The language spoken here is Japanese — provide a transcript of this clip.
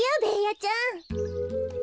ちゃん。